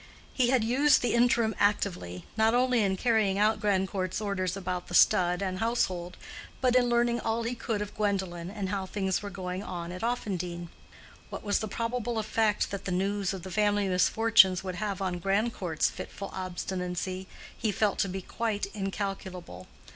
He had used the interim actively, not only in carrying out Grandcourt's orders about the stud and household, but in learning all he could of Gwendolen, and how things were going on at Offendene. What was the probable effect that the news of the family misfortunes would have on Grandcourt's fitful obstinacy he felt to be quite incalculable.